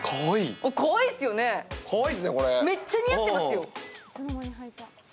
めっちゃ似合ってますよ。